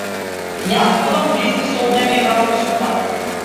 Јас водам бизнис овде не правам супа.